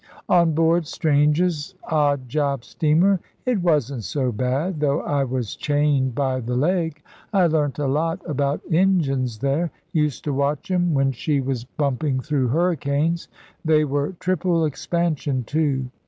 "On board Strange's odd job steamer? It wasn't so bad, though I was chained by the leg. I learnt a lot about engines there; used to watch 'em when she was bumping through hurricanes. They were triple expansion, too.